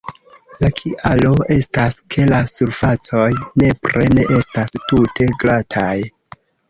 La kialo estas, ke la surfacoj nepre ne estas tute glataj.